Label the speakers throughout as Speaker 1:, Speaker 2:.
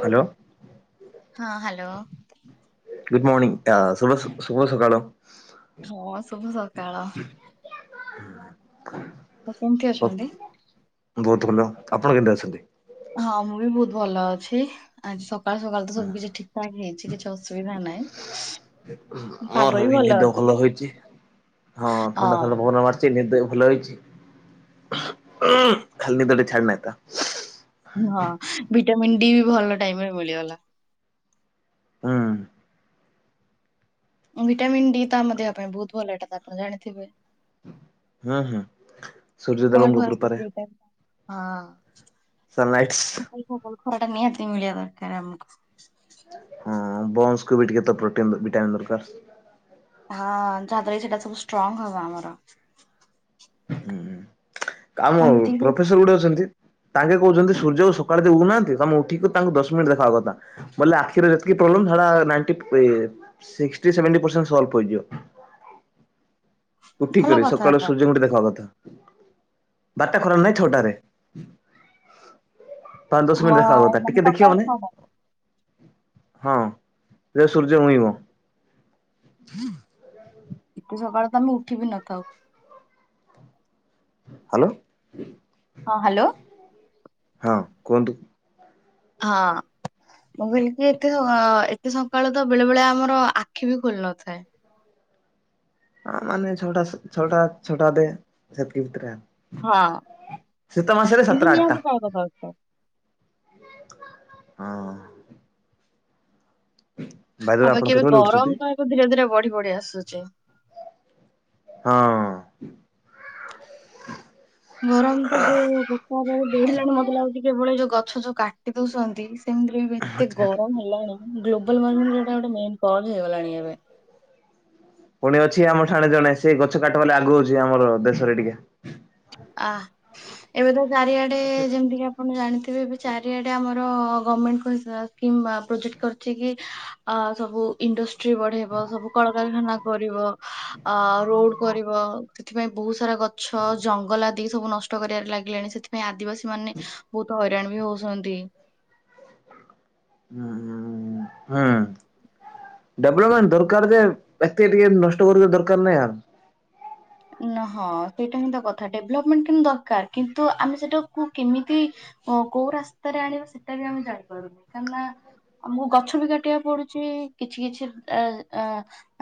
Speaker 1: Hello.
Speaker 2: ହଁ, hello.
Speaker 1: Good morning, ଆ ଶୁଭ ଶୁଭ ସକାଳ।
Speaker 2: ହଁ, ଶୁଭ ସକାଳ।
Speaker 1: [unintelligible]
Speaker 2: ଆଉ କେମିତି ଅଛନ୍ତି?
Speaker 1: ବହୁତ ଭଲ, ଆପଣ କେମିତି ଅଛନ୍ତି?
Speaker 2: ହଁ ମୁଁ ବି ବହୁତ ଭଲ ଅଛି, ଆଜି ସକାଳୁ ସକାଳୁ ତ ସବୁ କିଛି ଠିକ୍ ଠାକ୍ ହେଇଚି କିଛି ଅସୁବିଧା ନାହିଁ, ପାଗ
Speaker 1: ମୋର
Speaker 2: ବି
Speaker 1: ନିଦ
Speaker 2: ଭଲ ଅଛି।
Speaker 1: ହୋଇଛି। ହଁ, ଥଣ୍ଡା ଥଣ୍ଡା ପବନ ମାଡ କି ନିଦ ଭଲ ହେଇଚି, ଖାଲି ନିଦଟେ ଛାଡିନାହିଁ ତ।
Speaker 2: ହଁ, ଭିଟାମିିନ ଡି ବି ଭଲ ଟାଇମ୍ ରେ ମିଳିଗଲା।
Speaker 1: ହୁଁ।
Speaker 2: ଭିଟାମିନ୍ ଡି ତ ଆମ ଦେହ ପାଇଁ ବହୁତ ଭଲ, ଏଇଟା ତ ଆପଣ ଜାଣିଥିବେ?
Speaker 1: ହୁଁ ହୁଁ, ସୂର୍ଯ୍ୟ
Speaker 2: କାହାଠୁ
Speaker 1: ଦେବଙ୍କ
Speaker 2: ଆସୁଛି
Speaker 1: କୃପାରେ।
Speaker 2: ଏଇଟା? ହଁ।
Speaker 1: ସନ୍ ଲାଇଟ୍ସ୍।
Speaker 2: [unintelligible] ନିହାତି ମିଳିଆ ଦରକାର୍ ଆମକୁ।
Speaker 1: ହଁ ବନ୍ସ୍ କୁ ବି ଟିକେ ତ ପ୍ରୋଟିନ୍ ଭିଟାମିନ୍ ଦରକାର୍।
Speaker 2: ହଁ, ଯାହାଦ୍ୱାରା କି ସେଇଟା ସବୁ ଷ୍ଟ୍ରଙ୍ଗ୍ ହବ ଆମର।
Speaker 1: ହୁଁ,
Speaker 2: ଆଉ
Speaker 1: ଆମ
Speaker 2: ଯେତିକି
Speaker 1: ପ୍ରଫେସର୍ ଗୋଟେ ଅଛନ୍ତି ତାଙ୍କେ କହୁଚନ୍ତି, ସୂର୍ଯ୍ୟ ଓ ସକାଳେ ଯୋଉ ଉଉଁ ନାହାନ୍ତି, ତମେ ଉଠିକି ତାଙ୍କୁ ଦଶ ମିନିଟ୍ ଦେଖିବା କଥା, ବଲେ ଆଖିରେ ଯେତିକି ପ୍ରୋବ୍ଲେମ୍, ସେଟା ନାଇଁଟି [unintelligible] ସିସ୍କିଟି ସେଭେଣ୍ଟି ପରସେଣ୍ଟ ସଲଭ୍ କରିଯିବ।
Speaker 2: ଭଲ
Speaker 1: ଉଠିକିରି
Speaker 2: କଥା
Speaker 1: ସକାଳୁ
Speaker 2: ତ
Speaker 1: ସୂର୍ଯ୍ୟଙ୍କୁ ଟିକେ ଦେଖବା କଥା? ବାରଟା ଖରା ନାହିଁ, ଛଅଟାରେ। ପାଞ୍ଚ ଦଶ
Speaker 2: ମ
Speaker 1: ମିନିଟ୍ ଦେଖାହବ ଟିକେ,
Speaker 2: ମାନେ
Speaker 1: ଟିକେ
Speaker 2: ସକାଳ
Speaker 1: ଦେଖିବ ମାନେ
Speaker 2: ଛଅଟା
Speaker 1: ହଁ, ସେ ସୂର୍ଯ୍ୟ ଉଇଁବ।
Speaker 2: ଏତେ ସକାଳୁ ତ ଆମେ ଉଠି ବିି ନଥାଉ।
Speaker 1: ହାଲୋ।
Speaker 2: ହଁ, ହାଲୋ।
Speaker 1: ହଁ, କୁହନ୍ତୁ?
Speaker 2: ହଁ। ମୁଁ କହିଲି କି ଏତେ, ଏତେ ସକାଳୁ ତ ବେଳେ ବେଳେ ଆମର ଆଖି ବି ଖୋଲି ନଥାଏ।
Speaker 1: ଆ ମାନେ ଛଅଟା, ଛଅଟା, ଛୋଟା ଦେ ସେତିକି ଭିତରେ ଆ।
Speaker 2: ହଁ,
Speaker 1: ସାତଟା
Speaker 2: କିନ୍ତ
Speaker 1: ଆଠଟା
Speaker 2: ନିହାତି [unintelligible]
Speaker 1: [unintelligible] ହଁ ଅଁ [unintelligible]
Speaker 2: ଆଉ ବାକି ଏବେ
Speaker 1: କେତେବେଳେ ଉଠୁଛନ୍ତି?
Speaker 2: ଗରମ ତ, ଏବେ ଧୀରେ ଧୀରେ ବଢି ବଢି ଆସୁଚି।
Speaker 1: ହଁ ଅଁ [unintelligible]
Speaker 2: ଗରମ ତ ଯୋଉ ପ୍ରକାର ବଢିଲାଣି ମତେ ଲାଗୁଚି, କେଭଳି ଯୋଉ ଗଛ ଯୋଉ କାଟି ଦଉଚନ୍ତି ସେମିତିରେ ବି ଏତେ ଗରମ ହେଲାଣି, ଗ୍ଲୋବାଲ୍ ୱାର୍ମିଂର ଏଟା ଗୋଟେ ମେନ୍ କଜ୍ ହେଇଗଲାଣି ଏବେ।
Speaker 1: ପୁଣି ଅଛି ଆମ ଠାଣେ ଜଣେ, ସେ ଗଛ କାଟିବଲେ ଆଗୋଉଚି ଆମର ଦେଶରେ ଟିକେ।
Speaker 2: ଆ ଏବେ ତ ଚାରିଆଡେ, ଯେମିତି କି ଆପଣ ଜାଣିଥିବେ ଏବେ ଚାରିଆଡେ ଆମର ଗଭର୍ଣମେଣ୍ଟ୍ [unintelligible] କିମ୍ବା ପ୍ରୋଜେକ୍ଟ କରିଛି କି ଆ ସବୁ ଇଣ୍ଡଷ୍ଟ୍ରି ବଢେଇବ, ସବୁ କଳକାରଖାନା କରିବ। ଆ ରୋଡ କରିବ ସେଥିପାଇଁ ବହୁତ ସାରା ଗଛ ଜଙ୍ଗଲ ଆଦି ସବୁ ନଷ୍ଟ କରିବାରେ ଲାଗିଲାଣି। ସେଥିପାଇଁ ଆଦିବାସୀ ମାନେ ବହୁତ ହଇରାଣ ବି ହଉଛନ୍ତି।
Speaker 1: ହଁ ହୁଁ। ଡେଭଲପମେଣ୍ଟ ଦରକାର ଯେ ଏତିକି ଟିକେ ନଷ୍ଟ କରିବା ଦରକାର ନାହିଁ ଆଉ
Speaker 2: ନ ହଁ ସେଇଟା ହିଁ ତ କଥା। ଡେଭଲପମେଣ୍ଟ ଦରକାର କିନ୍ତୁ ଆମେ ସେଟାକୁ କିମିତି ଓ କୋଉ ରାସ୍ତାରେ ଆଣିବା ସେଇଟା ବି ଆମେ ଜାଣିପାରୁନୁ। କାହିଁକି ନା ଆମକୁ ଗଛ ବି କାଟିବାକୁ ପଡୁଛି। କିଛି କିଛି ଆ ଆ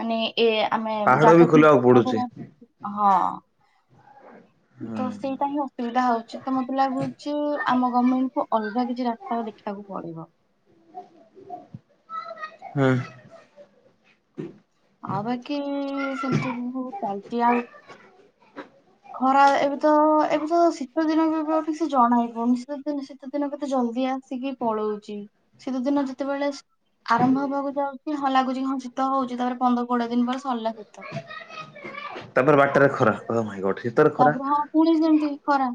Speaker 2: ମାନେ ଏ ଆମେ
Speaker 1: ପାହାଡ ବି
Speaker 2: ଜାଗାକୁ
Speaker 1: ଖୋଲିବାକୁ
Speaker 2: ନଷ୍ଟ
Speaker 1: ପଡୁଛି।
Speaker 2: କରିବା ହଁ ତ ସେଇଟା ହିଁ ଅସୁବିଧା ହଉଛି। ତ ମତେ ଲାଗୁଛି ଆମ ଗମେଣ୍ଟ କୁ ଅଲଗା କିଛି ରା ସ୍ତାକୁ ଦେଖିବାକୁ ପଡିବ।
Speaker 1: ହୁଁ।
Speaker 2: ଆଉ ବାକି ସେମିତି ବହୁ ଚାଲିଛି ଆଉ ଖରା ଏବେ ତ ଏବେ ତ ଶୀତ ଦିନ ବି ଆଉ କିଛି ଜଣା ନ ପଡୁନି। ସୀତା ଦିନେ ଶୀତ ଦିନ କେତେ ଜଲଦି ଆସିକି ପଳଉଛି। ଶୀତ ଦିନ ଯେତେବେଳେ ଆରମ୍ଭ ହବାକୁ ଯାଉଛି। ହଁ ଲାଗୁଛିଁ ଶୀତ ହଉଛି। ତାପରେ ପନ୍ଦର କୋଡିଏ ଦିନ ପରେ ସରିଲା ଶୀତ।
Speaker 1: ତାପରେ ବାଟରେ ଖରା କ ଭାଇ ଗୋଟେ ଶୀତରେ ଖରା।
Speaker 2: ତାପରେ ହଁ ପୁଣି ସେମିତି ଖରା।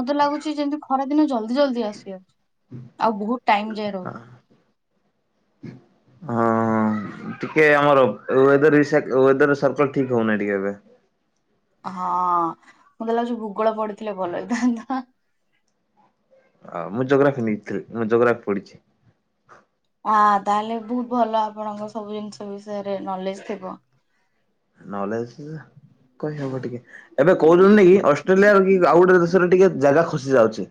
Speaker 2: ମତେ ଲାଗୁଛି ଯେମତି ଖରା ଦିନ ଜଲଦି ଜଲଦି ଆସିଯାଉଛି। ଆଉ ବହୁତ ଟାଇମ ଯାଏ ରହୁଛି।
Speaker 1: ହଁ ହଁ ହ ଟିକେ ଆମର ୱେଦର ରିସାକଲ ୱେଦର୍ ସର୍କଲ ଠିକ ହଉନାହିଁ ଏବେ।
Speaker 2: ହଁ ମତେ ଲାଗୁଛି ଭୂଗୋଳ ପଡିଥିଲେ ଭଲ ହେଇଥାନ୍ତା।
Speaker 1: ଅ ମୁଁ ଜୋଗ୍ରାଫି ନେଇଥିଲି, ମୁଁ ଜୋଗ୍ରାଫି ପଢିଛି।
Speaker 2: ହଁ ତାହେଲେ ବହୁତ ଭଲ ଆପଣଙ୍କ ସବୁ ଜିନିଷ ବିଷୟରେ ନଲେଜ ଥିବ।
Speaker 1: ନଲେଜ କହିହବ ଟିକେ। ଏବେ କହୁଛନ୍ତି କି ଅ ଅଷ୍ଟ୍ରେଲିଆ ର କି ଆଉ ଗୋଟେ ଦେଶରେ ଟିକେ ଜାଗା ଖସି ଯାଉଛି।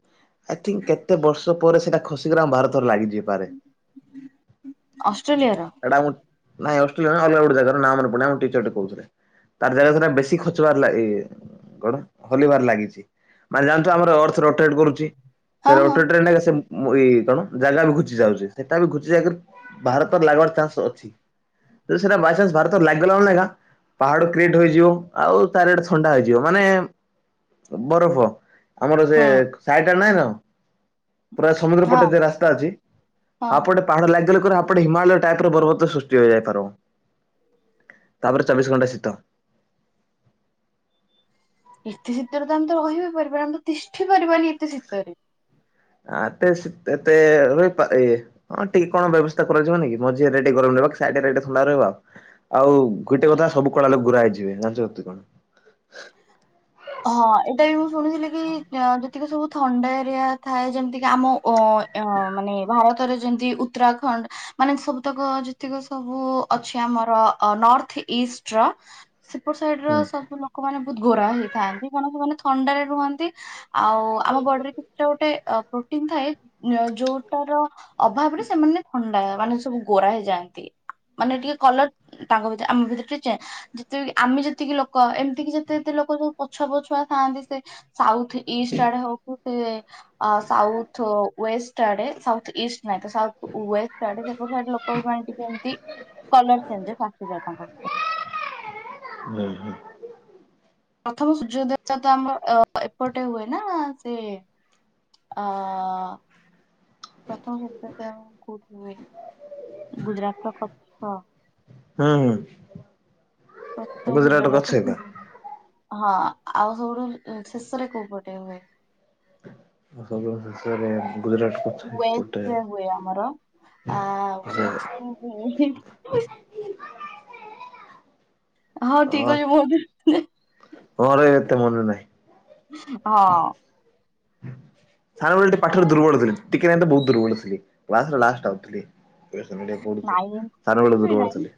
Speaker 1: ଆଇ ଥିଙ୍କ କେତେ ବର୍ଷ ପରେ ସେଇଟା ଖସିିକ ଆମ ଭାରତରେ ଲାଗଯିବପାରେ
Speaker 2: ଅଷ୍ଟ୍ରେଲିଆ ର?
Speaker 1: ଏଟା ନାଇ ଅଷ୍ଟ୍ରେଲିଆ ନୁହେଁ, ଅଲଗା ଗୋଟେ ଜାଗା ର ନା ମନେ ପଡୁନି। ମୁଁ ଟିକେଟ ତାର ଜାଗା ସେଟା ବେଶୀ ଖଚିବାର ଲାଗ ଏଇ କଣ ଖୋଲିବାର ଲାଗିଛି। ମାନେ ଜାନୁଛୁ ଆମର ଅର୍ଥ ରୋଟେଟ୍ କରୁଛି।
Speaker 2: ହଁ
Speaker 1: ସେ
Speaker 2: ହଁ
Speaker 1: ରୋଟେଟ ରେ ନାଇ ସେ ମୁଁ ଏଇ କଣ କଣ ଜାଗା ବି ଘୁଚି ଯାଉଛି ସେଟା ବି ଘୁଚି ଯାଇକି ଭାରତ ଲାଗିବାର ଚାନ୍ସ ଅଛି। ଯଦି ସେଟା ବାଇଚାନ୍ସ ଭାରତ ଲାଗିଗଲା ମାନେ ପାହାଡ କ୍ରିଏଟ ହେଇଯିବ। ଆଉ ଚାରି ଆଡେ ଥଣ୍ଡା ହେଇଯିବ ମାନେ ବରଫ ଆମର ସେ
Speaker 2: ହୁଁ
Speaker 1: ସାହିଟା ନହିଁ ନା ପୁରା ସମୁଦ୍ର
Speaker 2: ହଁ
Speaker 1: ପଟେ ଯ ରାସ୍ତା ଅଛି।
Speaker 2: ହଁ
Speaker 1: ଆପଟେ ପାହାଡ ଲାଗିଗଲେ ପୁର ଏପଟେ ହିମାଳୟ ଟାଇପରେ ପର୍ବତ ସୃଷ୍ଟି ହୋଇଯାଇପାରିବ। ତାପରେ ଚବିଶ ଘଣ୍ଟା ଶୀତ।
Speaker 2: ଏତେ ଶୀତରେ ତ ଆମେ ତ ରହିବି ପାରିବାନି। ଆମେ ତ ତିଷ୍ଟି ପାରିବାନି ଏତେ ଶୀତରେ।
Speaker 1: ଆତେ ସେ ତେତେ ରହିପାରେ ଏ ହଁ ଟିକେ କଣ ବ୍ୟବସ୍ଥା କରାଯିବନି କି ମଝିହେଲେ ଟିକେ ଗରମ ରହିବ ସାଇଡ ଥଣ୍ଡା ରହିବ ଆଉ। ଆଉ ଗୁଟେ କଥା ସବୁ କଳା ଲୋକ ଗୁରା ହେଇଯିବେ ଜାଣି [unintelligible] କଣ
Speaker 2: ହଁ ଏଇଟା ବି ମୁଁ ଶୁଣିଥିଲି କି, ଯେତିକି ସବୁ ଥଣ୍ଡା ଏରିଆ ଥାଏ ଯେମିତିକି ଆମ ଅ ଅ ମାନେ ଭାରତରେ ଯେମିତି ଉତ୍ତରାଖଣ୍ଡ ମାନେ ସବୁତକ ଯେତିକି ସବୁ ଅଛି ଆମର ନର୍ଥ ଇଷ୍ଟର ସେପଟ ସାଇଡର
Speaker 1: ହୁଁ
Speaker 2: ସବୁ ଲୋକମାନେ ବହୁତ ଗୋରା ହେଇଥାନ୍ତି କାରଣ ସେମାନେ ଥଣ୍ଡାରେ ରୁହନ୍ତି। ଆଉ ଆମ ବଡିରେ କିଛିଟା ଗୋଟେ ପ୍ରୋଟିନ ଥାଏ ଯୋଉଟାର ଅଭାବରେ ସେମାନେ ଥଣ୍ଡା ମାନେ ସବୁ ଗୋରା ହେଇଯାଆନ୍ତି ମାନେ ଟିକେ କଲର ତାଙ୍କ ଭିତରେ ଆମ ଭିତରେ ଟିକେ ଯେ ଯେତେବେଳେ କି ଆମେ ଯେତିକି ଲୋକ ଏମିତିକି ଯେତେ ଯେତେ ଲୋକ ସବୁ ପଛୁଆ ପଛୁଆ ଥାଆନ୍ତି ସେ ସାଉଥ ଇଷ୍ଟ ଆଡେ ହଉ ସେ ଆ ସାଉଥ ୱେଷ୍ଟ ଆଡେ ସାଉଥ ଇଷ୍ଟ ନାହି ତ ସାଉଥ ୱେଷ୍ଟଆଡେ ସେପଡ ସାଇଡ ଲୋକ ପାଇଁ ଟିକେ ଏମତି କଲର ଚେଞ୍ଜ [unintelligible] ଯାଏ ତାଙ୍କ ଭିତରେ।
Speaker 1: ହୁଁ ହୁଁ।
Speaker 2: ପ୍ରଥମ ସୂର୍ଯ୍ୟୋଦୟ ତ ଆମର ଏପଟେ ହୁଏ ନା ସେ ଆ ପ୍ରଥମ ସୂର୍ଯ୍ୟୋଦୟ କୋଉଠି ହୁଏ। ଗୁଜୁରାଟର କଚ୍ଛ।
Speaker 1: ହୁଁ ହୁଁ।
Speaker 2: ପ୍ରଥମ
Speaker 1: ଗୁଜୁରାଟ
Speaker 2: ସୂର୍ଯ୍ୟୋଦୟ
Speaker 1: ଗଛ
Speaker 2: ସେଠି
Speaker 1: ଏକା।
Speaker 2: ହୁଏ। ହଁ ଆଉ ସବୁଠୁ ଶେଷରେ କୋଉ ପଟେ ହୁଏ?
Speaker 1: [unintelligible] ଶେଷରେ ଗୁଜୁରାଟ। ଗଛ ଏପଟେ
Speaker 2: ୱେଷ୍ଟରେ ହୁଏ ଆମର ଆ
Speaker 1: ସେ
Speaker 2: ୱେଷ୍ଟରେ ହୁଏ। ହଁ ଠିକ ଅଛି ବହୁ [unintelligible]
Speaker 1: ଘରେ ଏତେ ମନେ ନାହିଁ।
Speaker 2: ହଁ।
Speaker 1: ଖାରବେଳ [unintelligible] ତ ପାଠରେ ଦୁର୍ବଳ ଥିଲେ। ଟିକେ ନାହିଁ ତ ବହୁତ ଦୁର୍ବଳ ଥିଲି କ୍ଲାସରେ ଲାଷ୍ଟ ଆଉଥିଲି। [unintelligible]
Speaker 2: ନାଇଁ
Speaker 1: ଖାରବେଳ
Speaker 2: କେବେ
Speaker 1: ଦୁର୍ବଳ
Speaker 2: ନାଇଁ
Speaker 1: ଥିଲେ।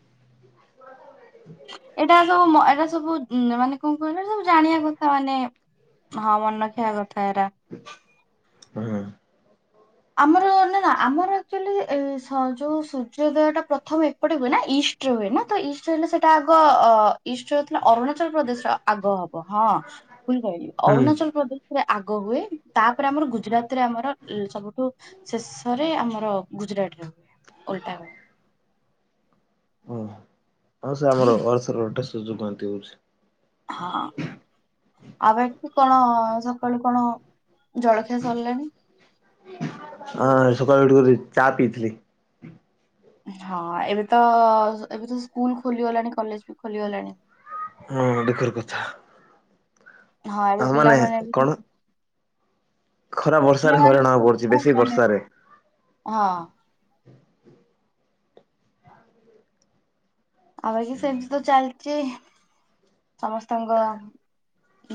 Speaker 2: ଏଇଟା ସବୁ ମ୍ ଏଇଟା ସବୁ ମାନେ କଣ କହିଲ ସବୁ ଜାଣିବା କଥା ମାନେ ହଁ ମନେ ଥିବା କଥା ଏରା।
Speaker 1: ହୁଁ।
Speaker 2: ଆମର ନା ନା ଆମର ଆକ୍ଚୁଆଲି ଏ ସ ଯୋଉ ସୂର୍ଯ୍ୟୋଦୟଟା ପ୍ରଥମେ ଏପଟେ ହୁଏ ନା ଇଷ୍ଟ ଇଷ୍ଟରେ ହୁଏ ନା ତ ଇଷ୍ଟ ହେଲେ ସେଇଟା ଆଗ ଅ ଇଷ୍ଟରେ ହେଉଥିଲେ ଅରୁଣାଚଳ ପ୍ରଦେଶର ଆଗ ହବ ହଁ। ଭୁଲ କହିଲି
Speaker 1: ହୁଁ
Speaker 2: ଅରୁଣାଚଳ ପ୍ରଦେଶରେ ଆଗ ହୁଏ। ତାପରେ ଆମର ଗୁଜୁରାତରେ ଆମର ଏ ସବୁ ଠୁ ଶେଷରେ ଆମର ଗୁଜୁରାଟରେ ହୁଏ ଓଲଟା ହୁଏ।
Speaker 1: ହଁ ହଁ ସେ ଆମର ଅର୍ଥରଟ [unintelligible] ହଉଚି।
Speaker 2: ହଁ। ଆ ବାକି କଣ ସକାଳୁ କଣ ଜଳଖିଆ ସରିଲାଣି?
Speaker 1: ହଁ ସକାଳୁ ଉଠି କରି ଚା ପିଇଥିଲି।
Speaker 2: ହଁ ଏବେ ତ ଏବେ ତ ସ୍କୁଲ ଖୋଲିଗଲାଣି କଲେଜ ବି ଖୋଲିଗଲାଣି।
Speaker 1: ହଁ ଦୁଃଖର କଥା।
Speaker 2: ହଁ ଏବେ
Speaker 1: ଆଉ ମାନେ
Speaker 2: ପିଲାମାନେ
Speaker 1: କଣ
Speaker 2: ବି
Speaker 1: ଖରା ବର୍ଷାରେ
Speaker 2: ପିଲାମାନେ
Speaker 1: ହଇରାଣ
Speaker 2: ବି
Speaker 1: ହବାକୁ
Speaker 2: ସବୁ
Speaker 1: ପଡୁଛି
Speaker 2: ସ୍କୁଲ
Speaker 1: ବେଶୀ
Speaker 2: ଗଲେ
Speaker 1: ବର୍ଷାରେ
Speaker 2: ହଁ। ଆମର ବି ସେମିତି ତ ଚାଲିଛି ସମସ୍ତଙ୍କ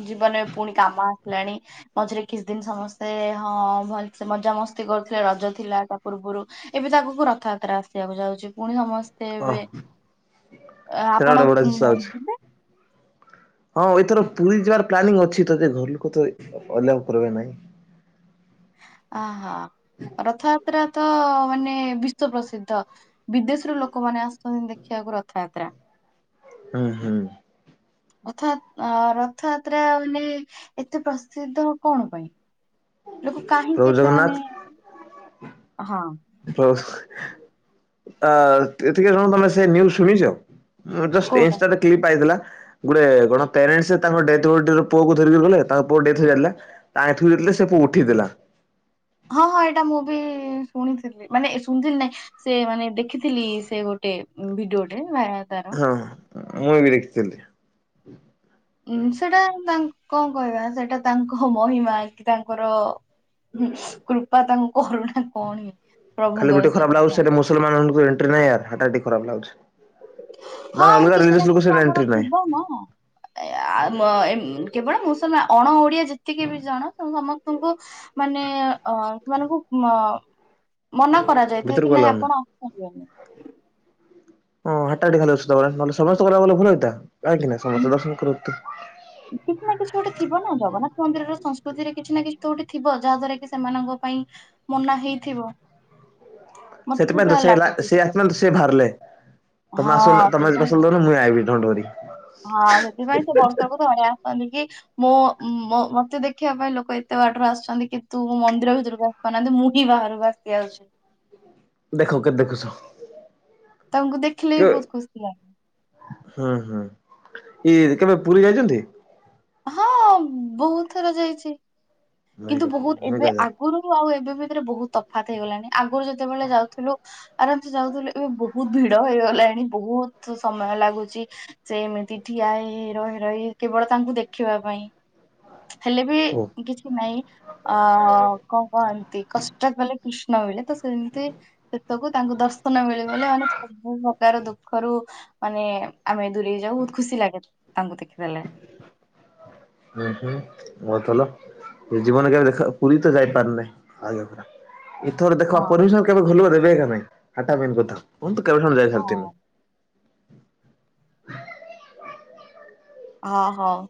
Speaker 2: ଜୀବନରେ ପୁଣି କାମ ଆସିଲାଣି। ମଝିରେ କିଛି ଦିନ ସମସ୍ତେ ହଁ ଭଲ ସେ ମଜାମସ୍ତି କରୁଥିଲେ ରଜ ଥିଲା ତ। ପୂର୍ବରୁ ଏବେ ତ ଆଗକୁ ରଥଯାତ୍ରା ଆସିବାକୁ ଯାଉଛି ପୁଣି ସମସ୍ତେ
Speaker 1: ହଁ
Speaker 2: ଏବେ ଏ
Speaker 1: ସେଇଟା
Speaker 2: ଆପଣ
Speaker 1: ଗୋଟେ ବଡ ଜିନିଷ ହଉଛି।
Speaker 2: ଯିବେ?
Speaker 1: ହଁ ଏଥର ପୁରୀ ଯିବାର ପ୍ଲାନିଂ ଅଛି ତ କେ ଘରଲୋକ ତ ଆଲାଉ କରିବେ ନାହିଁ।
Speaker 2: ଅହ ରଥଯାତ୍ରା ତ ମାନେ ବିଶ୍ୱ ପ୍ରସିଦ୍ଧ। ବିଦେଶରୁ ଲୋକମାନେ ଆସୁଛନ୍ତି ଦେଖିବାକୁ ରଥଯାତ୍ରା।
Speaker 1: ହୁଁ ହୁଁ।
Speaker 2: ରଥ ଯା ରଥଯାତ୍ରା ମାନେ ଏତେ ପ୍ରସିଦ୍ଧ କଣ ପାଇଁ? ଲୋକ
Speaker 1: ପ୍ରଭୁ
Speaker 2: କାହିଁକି ଏତେ
Speaker 1: ଜଗନ୍ନାଥ
Speaker 2: ମାନେ ହଁ।
Speaker 1: ହଁ ଆ ଏତିକ ଜଣ ତମେ ସେ ନ୍ୟୁଜ ଶୁଣିଛ? ଜଷ୍ଟ୍
Speaker 2: କୋଉଟା
Speaker 1: ଇନଷ୍ଟାରେ କ୍ଲିପ୍ ଆଇଥିଲା। ଗୋଟେ କଣ ପ୍ୟାରେଣ୍ଟସ୍ ତାଙ୍କ ଡେଥ ପୁଅକୁ ଧରିକରି ଗଲେ ତାଙ୍କ ପୁଅ ଡେଥ୍ ହେଇଯାଇଥିଲା। ତା ଠୁ ଯେତେବେଳେ ସେବୁ ଉଠେଇଦେଲା।
Speaker 2: ହଁ ହଁ ଏଇଟା ମୁଁ ବି ଶୁଣିଥିଲି ମାନେ ଶୁଣିଥିଲି ନାଇଁ ସେ ମାନେ ଦେଖିଥିଲି ସେ ଗୋଟେ ଭିଡ଼ିଓ ଟେ ଭାଇରାଲ ତାର।
Speaker 1: ହଁ ମୁଁ ବି ଦେଖିଥିଲି।
Speaker 2: ଉଁ ସେଟା ତା କଣ କହିବା ସେଟା ତାଙ୍କ ମହିମା କି ତାଙ୍କର କୃପା ତାଙ୍କୁ କରୁନା କଣ ପ୍ରଭୁଙ୍କର ସେଇଟା।
Speaker 1: ମୁସଲମାନଙ୍କୁ ଏଣ୍ଟ୍ରି ନାହିଁ [unintelligible] ଖରାପ ଲାଗୁଛି।
Speaker 2: ହଁ
Speaker 1: ମାନେ ଅଲଗା
Speaker 2: କିଛି ନା
Speaker 1: ରିଲିଜିଅସ୍ ଲୋକ
Speaker 2: କିଛି
Speaker 1: ସେଟା
Speaker 2: ଆମର
Speaker 1: ଏଣ୍ଟ୍ରି ନାହିଁ
Speaker 2: ଥିବ ନା। ଆ‌ [unintelligible] କେବଳ ମୁଁ ସେ ଅଣ ଓଡ଼ିଆ ଯେତିକି ବି ଜଣ ସମସ୍ତଙ୍କୁ ମାନେ ଅ ସୋନଙ୍କୁ ଅ ମନା କରାଯାଇଥାଏ
Speaker 1: ଭିତରକୁ
Speaker 2: କି ନାଇଁ
Speaker 1: ଆଲାଉ ନାହିଁ।
Speaker 2: ଆପଣ
Speaker 1: ହଁ [unintelligible]
Speaker 2: କିଛି ନା କିଛି ଗୋଟେ ଥିବ ନା ଜଗନ୍ନାଥ ମନ୍ଦିର ର ସଂସ୍କୃତିରେ କିଛି ନା କିଛି ତୋ ଗୋଟ ଥିବ ଯାହାଦ୍ଵାରା କି ସେମାନଙ୍କ ପାଇଁ ମନା ହେଇଥିବ। ମତେ
Speaker 1: ସେଥିପାଇଁ ତ
Speaker 2: ଯାହା
Speaker 1: ସେ
Speaker 2: ଲାଗୁଛି
Speaker 1: ସେ ଆସି ତ ସେ ବାହାରିଲେ। ତମେ ଆସନ
Speaker 2: ହଁ
Speaker 1: ତମେ
Speaker 2: ସେଇପାଇଁ
Speaker 1: [unintelligible] ଡୋ଼ଣ୍ଟ ୱରୀ।
Speaker 2: ହଁ ସେଥିପାଇଁ ସେ ବର୍ଷକୁ ଧରି ଆସନ୍ତି କି ମୋ ମତେ ଦେଖିବା ପାଇଁ ଲୋକ ଏତେ ବାଟରୁ ଆସୁଛନ୍ତି କିନ୍ତୁ ମୋ ମନ୍ଦିର ଭିତରୁ ବା [unintelligible] ବାହାର [unintelligible]
Speaker 1: ଦେଖ କେତେ ଦେଖୁଛ।
Speaker 2: ତାଙ୍କୁ ଦେଖିଲେ
Speaker 1: କେ
Speaker 2: ବି ବହୁତ୍ ଖୁସି ଲାଗେ।
Speaker 1: ହୁଁ ହୁଁ ଇଏ କେବେ ପୁରୀ ଯାଇଛନ୍ତି?
Speaker 2: ହଁ ବହୁତ୍ ଥର ଯାଇଛି।
Speaker 1: ନାଇଁ
Speaker 2: କିନ୍ତୁ
Speaker 1: କାକା
Speaker 2: ବହୁତ୍
Speaker 1: ମୁଁ
Speaker 2: ଏବେ
Speaker 1: ଏକା ଯାଏ
Speaker 2: ଆଗରୁ ଆଉ ଏବେ ଭିତରେ ବହୁତ୍ ତଫାତ ହେଇଗଲାଣି ଆଗରୁ ଯେତେବେଳେ ଯାଉଥିଲୁ ଆରାମ ସେ ଯାଉଥିଲେ ଏବେ ବହୁତ୍ ଭିଡ଼ ହେଇଗଲାଣି ବହୁତ୍ ସମୟ ଲାଗୁଛି। ସେ ଏମିତି ଠିଆ ହେଇ ରହି ରହି କେବଳ ତାଙ୍କୁ ଦେଖିବା ପାଇଁ। ହେଲେ ବି
Speaker 1: ଓ
Speaker 2: କିଛି ନାଇଁ ଅ କଣ କହନ୍ତି କଷ୍ଟ କଲେ କୃଷ୍ଣ ମିଲେ ତ ସେମିତି ସେତକୁ ତାଙ୍କୁ ଦର୍ଶନ ମିଳିଗଲେ ମାନେ ସବୁ ତାର ଦୁଃଖରୁ ମାନେ ଆମେ ଦୂରେଇ ଯାଉ ବହୁତ୍ ଖୁସି ଲାଗେ ତାଙ୍କୁ ଦେଖିଦେଲେ।
Speaker 1: ହୁଁ ହୁଁ ବହୁତ୍ ଭଲ ସେ ଜୀବନ କେବେ ଦେଖ ପୁରୀ ତ ଯାଇପାରୁନହିଁ ଆଗେ ପା ଏଇଥର ଦେଖ
Speaker 2: ହଁ
Speaker 1: ପରମିସନ୍ କେବେ ଘର ଲୋକ ଦେବେ କି ନାହିଁ ହାଟା ମେନ୍ କଥା
Speaker 2: ହଁ
Speaker 1: କେବେ [unintelligible]
Speaker 2: ହଁ ହଁ।